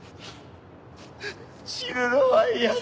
死ぬのは嫌だ！